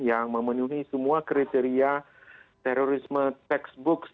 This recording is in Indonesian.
yang memenuhi semua kriteria terorisme textbooks